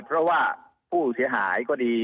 เพราะว่าผู้เสียหายก็ดี